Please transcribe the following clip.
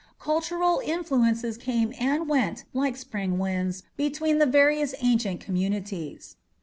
Cultural influences came and went like spring winds between the various ancient communities.